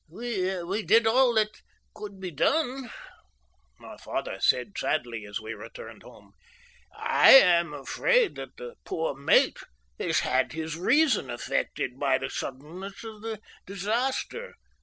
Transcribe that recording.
"We did all that could be done," my father said sadly, as we returned home. "I am afraid that the poor mate has had his reason affected by the suddenness of the disaster.